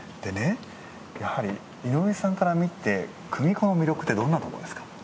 やはり井上さんから見て組子の魅力ってどんなところですか？